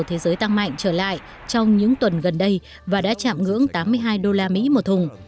thế giới tăng mạnh trở lại trong những tuần gần đây và đã chạm ngưỡng tám mươi hai đô la mỹ một thùng